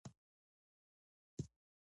دا رومان د انسانانو د ازادۍ غږ دی.